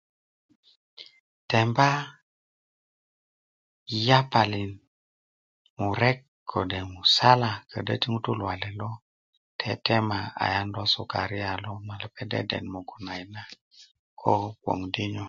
temba i yapalin murek kode musalá kodo ti ŋutu luwalet lo tetema ayan lo sukara lo ma lopeŋ deden mugun nayit na ko gboŋ dinyo